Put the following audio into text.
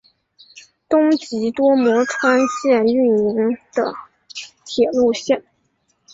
东急多摩川线营运的铁路线。